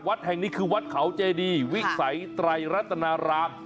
วัดแห่งนี้คือวัดเขาเจดีวิสัยไตรรัตนาราม